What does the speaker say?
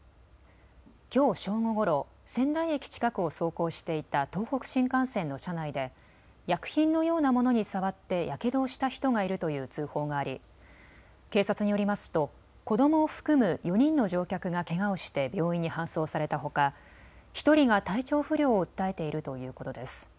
きょう正午ごろ、仙台駅近くを走行していた東北新幹線の車内で薬品のようなものに触ってやけどをした人がいるという通報があり警察によりますと子どもを含む４人の乗客がけがをして病院に搬送されたほか１人が体調不良を訴えているということです。